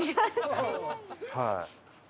はい。